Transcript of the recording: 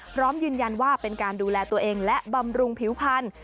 พร้อมยืนยันว่าเป็นการดูแลตัวเองและบำรุงผิวพันธุ